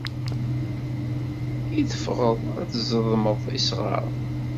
I teffɣed ad d-tzedmed isɣaren?